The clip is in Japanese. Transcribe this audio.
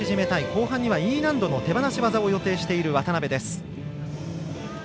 後半にはＥ難度の手放し技を予定している渡部です。